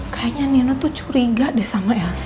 kayaknya nino tuh curiga deh sama elsa